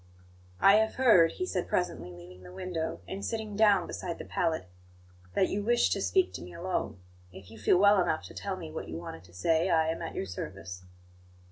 "I have heard," he said presently, leaving the window, and sitting down beside the pallet, "that you wish to speak to me alone. If you feel well enough to tell me what you wanted to say, I am at your service."